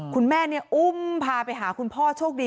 คุณแม่อุ้มพาไปหาคุณพ่อโชคดี